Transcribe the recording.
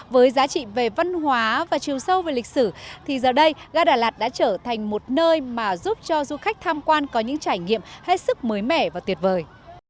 với giá trị về văn hóa và chiều sâu về lịch sử thì giờ đây ga đà lạt đã trở thành một nơi mà giúp cho du khách tham quan có những trải nghiệm hết sức mới mẻ và tuyệt vời